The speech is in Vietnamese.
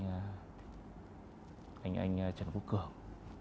anh anh trần quốc cường